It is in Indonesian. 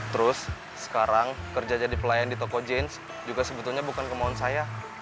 terus sekarang kerja jadi pelayan di toko james juga sebetulnya bukan kemauan saya